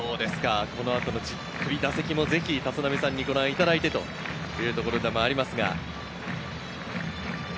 じっくり打席もぜひ立浪さんにご覧いただいてというところでもあります。